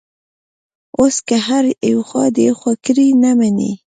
اوس که هر ایخوا دیخوا کړي، نه مني.